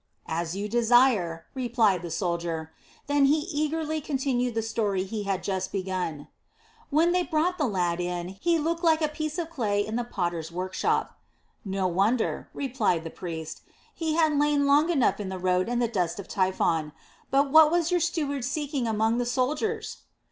"As you desire," replied the soldier. Then he eagerly continued the story he had just begun. "When they brought the lad in, he looked like a piece of clay in the potter's workshop." "No wonder," replied the priest; "he had lain long enough in the road in the dust of Typhon. But what was your steward seeking among the soldiers?"